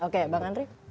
oke bang andri